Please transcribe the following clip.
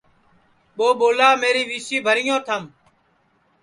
ٻو ٻولا میری وی سی بھریو تھم